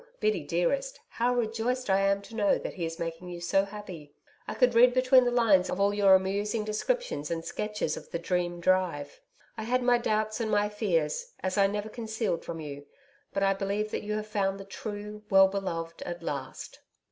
Biddy, dearest, how rejoiced I am to know that he is making you so happy. I could read between the lines of all your amusing descriptions and sketches of "the Dream drive." I had my doubts and my fears, as I never concealed from you, but I believe that you have found the true, well beloved at last.'